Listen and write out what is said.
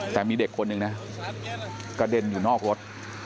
แต่มีเด็กคนหนึ่งนะกระเด็นอยู่นอกรถ